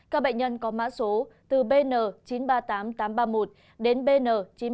các bệnh nhân có mã số từ bn chín trăm ba mươi tám nghìn tám trăm ba mươi một đến bn chín trăm ba mươi tám nghìn tám trăm ba mươi tám